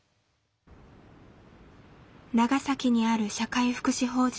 長崎にある社会福祉法人。